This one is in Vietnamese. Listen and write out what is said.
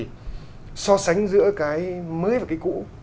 đó là so sánh giữa cái mới và cái cũ